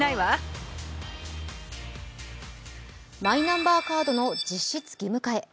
マイナンバーカードの実質義務化へ。